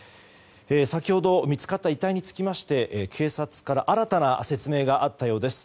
先ほど見つかった遺体につきまして警察から新たな説明があったようです。